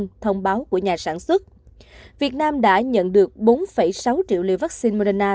trong thông báo của nhà sản xuất việt nam đã nhận được bốn sáu triệu liều vaccine moderna